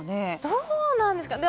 どうなんですかね。